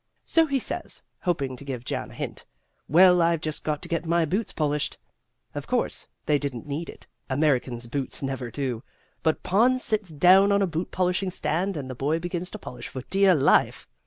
So he says, hoping to give Jan a hint, 'Well, I've just got to get my boots polished.' Of course, they didn't need it Americans' boots never do but Pond sits down on a boot polishing stand and the boy begins to polish for dear life.